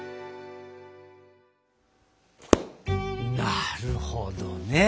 なるほどね！